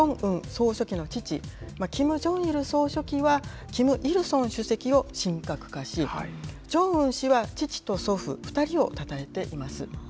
総書記の父、キム・ジョンイル総書記は、キム・イルソン主席を神格化し、ジョンウン氏は父と祖父、２人をたたえています。